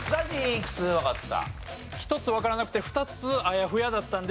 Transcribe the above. いくつわかった？